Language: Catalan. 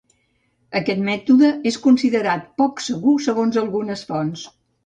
Aquest mètode és considerat poc segur segons algunes fonts.